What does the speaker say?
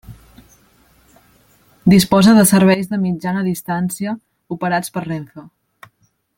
Disposa de serveis de mitjana distància operats per Renfe.